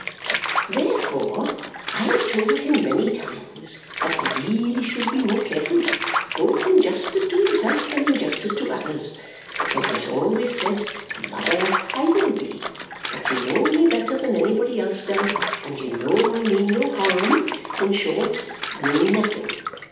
"Therefore, I have told him many times that he really should be more careful, both in justice to himself and in justice to others. And he has always said, 'Mother, I will be; but you know me better than anybody else does, and you know I mean no harm in short, mean nothing.'